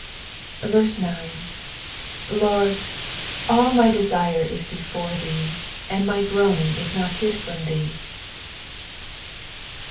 9 Lord, all my desire' m before thee j and my groaning is not hid from thee.